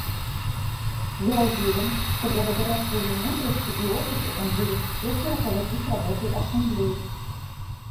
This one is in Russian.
Я уверен, что благодаря своей мудрости и опыту он будет успешно руководить работой Ассамблеи.